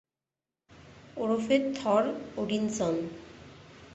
ওরফে Thor Odinson.